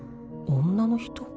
女の人？